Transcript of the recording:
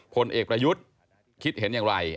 ผลเอกประยุทธ์คิดเห็นอย่างไร